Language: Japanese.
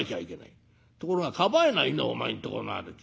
ところがかばえないんだお前んとこのあるじ。